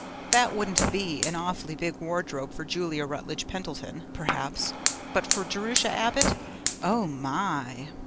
That wouldn't be an awfully big wardrobe for Julia Rutledge Pendleton, perhaps, but for Jerusha Abbott Oh, my!